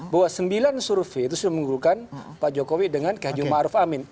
bahwa sembilan survei itu sudah mengunggulkan pak jokowi dengan keji ma'ruf amin